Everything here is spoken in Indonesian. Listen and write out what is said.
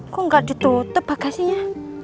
kok gak ditutup bagasinya